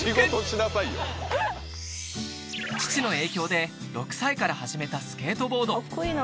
父の影響で６歳から始めたスケートボード